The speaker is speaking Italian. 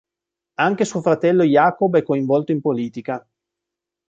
Anche suo fratello Jacob è coinvolto in politica.